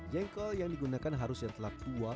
jengkol yang digunakan harus yang telah tua